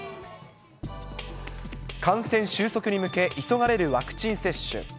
感染収束に向け、急がれるワクチン接種。